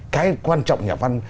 cái quan trọng nhà văn